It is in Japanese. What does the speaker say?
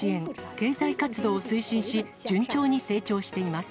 経済活動を推進し、順調に成長しています。